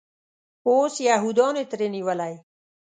اوس یهودانو ترې نیولی.